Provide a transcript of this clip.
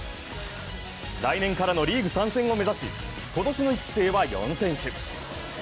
来年からのリーグ参戦を目指し、今年の１期生は４選手。